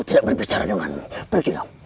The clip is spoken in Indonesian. tidak berbicara dengan pergilah